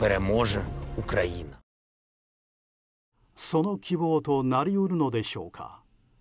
その希望となり得るのでしょうか。